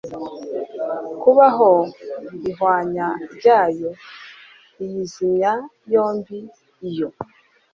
kubaho ihwanya ryayo riyizimya yombi iyo